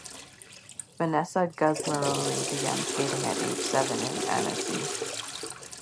Vanessa Gusmeroli began skating at age seven in Annecy.